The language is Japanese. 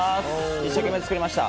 一生懸命作りました！